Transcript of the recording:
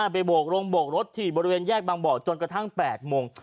โบกลงโบกรถที่บริเวณแยกบางบ่อจนกระทั่ง๘โมง